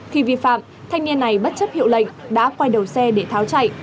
khi vi phạm thanh niên này bất chấp hiệu lệnh đã quay đầu xe để tháo chạy